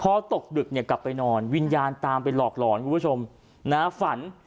พอตกดึกเนี่ยกลับไปนอนวิญญาณตามไปหลอกหลอนคุณผู้ชมนะฝัน